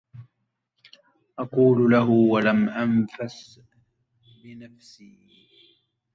أقول له ولم أنفس بنفسي